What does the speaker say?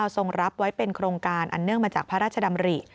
ทรงรับไว้เป็นโครงการอันเนื่องมาจากพระราชดำริ